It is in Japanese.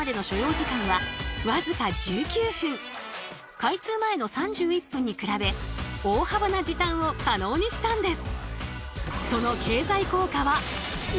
開通前の３１分に比べ大幅な時短を可能にしたんです。